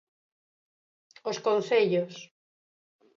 Os concellos.